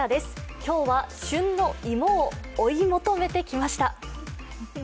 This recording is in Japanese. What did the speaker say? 今日は旬の芋をおイモとめてきました。